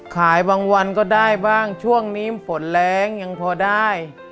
บางวันก็ได้บ้างช่วงนี้ฝนแรงยังพอได้